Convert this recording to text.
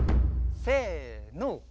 せの。